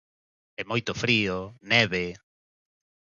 E moito frío, neve...